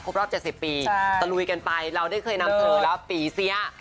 รอบ๗๐ปีตะลุยกันไปเราได้เคยนำเสนอแล้วปีเสีย